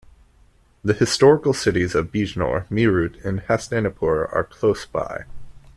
The historical cities of Bijnor, Meerut and Hastinapur are close by.